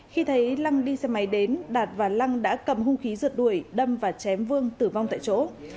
khi thấy lăng đi xe máy đến đạt và lăng đã cầm hung khí rượt đuổi đâm và chém vương tử vong tại chỗ